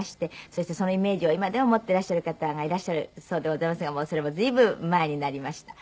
そしてそのイメージを今でも持っていらっしゃる方がいらっしゃるそうでございますがもうそれも随分前になりました。